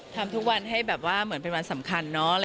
ทำทุกวันให้แบบว่าเหมือนเป็นวันสำคัญเนาะ